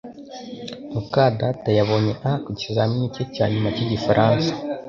muka data yabonye A ku kizamini cye cya nyuma cyigifaransa